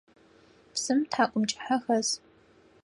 Псым тхьакӏумкӏыхьэ хэс.